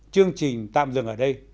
chương trình tạm dừng ở đây